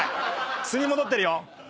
素に戻ってるよ。